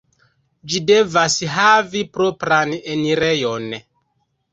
Ĝi devas havi propran enirejon.